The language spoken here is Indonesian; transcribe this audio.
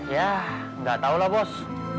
ya tidak tahulah bos